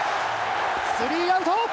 スリーアウト！